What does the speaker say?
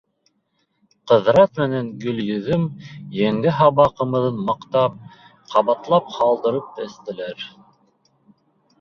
Ҡыҙырас менән Гөлйөҙөм еңгә һаба ҡымыҙын маҡтап, ҡабатлап һалдырып эстеләр.